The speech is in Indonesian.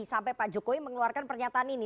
sampai pak jokowi mengeluarkan pernyataan ini